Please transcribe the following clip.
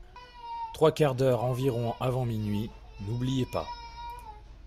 Trois quarts d'heure environ avant minuit ; n'oubliez pas.